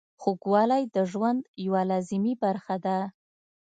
خوږوالی د ژوند یوه لازمي برخه ده.